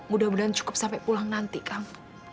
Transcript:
mudah mudahan cukup sampai pulang nanti kang